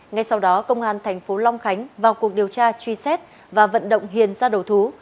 ngay sau đó công an thành phố long khánh vào cuộc điều tra truy xét và vận động hiền ra đầu thú